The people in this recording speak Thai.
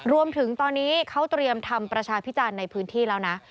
รวมถึงตอนนี้เขาเตรียมทำประชาพิจารณ์ในพื้นที่แล้วนะ